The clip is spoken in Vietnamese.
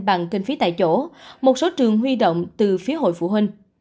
bằng kinh phí tại chỗ một số trường huy động từ phía hội phụ huynh